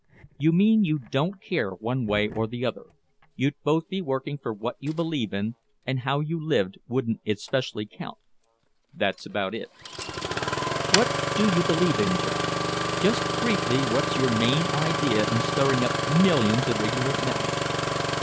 "You mean you don't care one way or the other. You'd both be working for what you believe in, and how you lived wouldn't especially count?" "That's about it." "What do you believe in, Joe? Just briefly, what's your main idea in stirring up millions of ignorant men?"